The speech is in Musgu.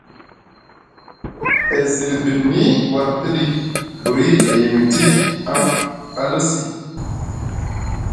E zilbi ni war tiɗi, buri e yimiti aŋ alesi.